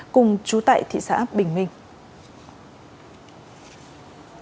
cùng trú tại thị xã bình minh